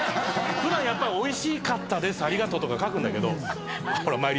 普段やっぱり「おいしかったですありがとう」とか書くんだけどほら